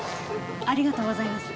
ありがとうございます。